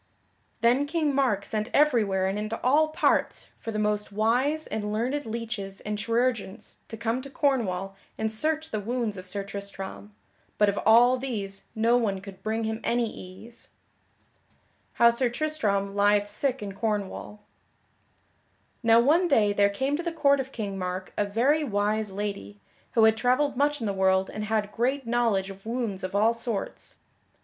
Then King Mark sent everywhere and into all parts for the most wise and learned leeches and chirurgeons to come to Cornwall and search the wounds of Sir Tristram, but of all these no one could bring him any ease. [Sidenote: How Sir Tristram lieth sick in Cornwall] Now one day there came to the court of King Mark a very wise lady, who had travelled much in the world and had great knowledge of wounds of all sorts.